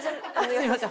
すみません。